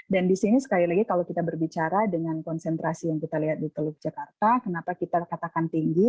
di sini sekali lagi kalau kita berbicara dengan konsentrasi yang kita lihat di teluk jakarta kenapa kita katakan tinggi